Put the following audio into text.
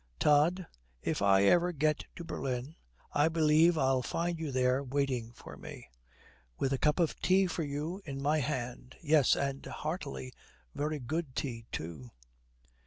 'Tod, if I ever get to Berlin, I believe I'll find you there waiting for me!' 'With a cup of tea for you in my hand.' 'Yes, and' heartily 'very good tea too.'